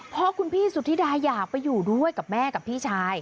เพราะคุณพี่สุธิดาอยากไปอยู่ด้วยกับแม่กับพี่ชาย